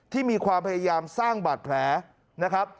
ที่มีความพยายามสร้างบาดแผลนะครับ